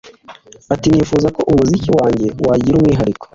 Ati “Nifuza ko umuziki wanjye wagira umwihariko